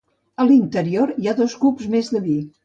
A l'interior hi ha dos cups més de vi.